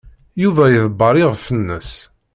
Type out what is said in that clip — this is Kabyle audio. Yuba iḍebber iɣef-nnes.